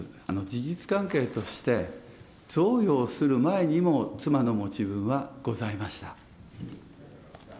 事実関係として、贈与をする前にも妻の持ち分はございました。